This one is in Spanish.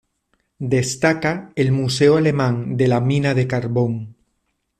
Destaca el Museo Alemán de la Mina de Carbón.